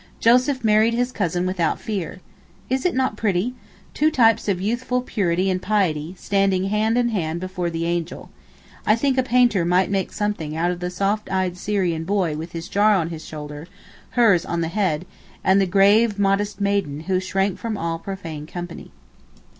Joseph married his cousin without fear. Is it not pretty? the two types of youthful purity and piety, standing hand in hand before the angel. I think a painter might make something out of the soft eyed Syrian boy with his jar on his shoulder (hers on the head), and the grave, modest maiden who shrank from all profane company.